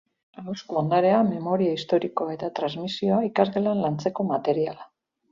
Ahozko ondarea, memoria historikoa eta transmisioa ikasgelan lantzeko materiala.